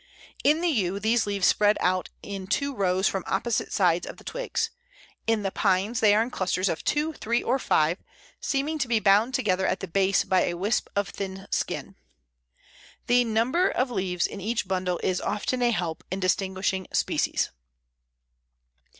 In the Yews these leaves spread out in two rows from opposite sides of the twigs; in the Pines they are in clusters of two, three, or five, seeming to be bound together at the base by a wisp of thin skin. The number of leaves in each bundle is often a help in distinguishing species.